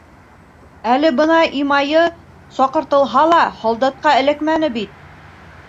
Әле бына Имайы, саҡыртылһа ла, һалдатҡа эләкмәне бит.